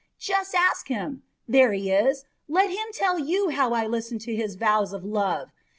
Just ask him! There he is. Let him tell you how I listened to his vows of love.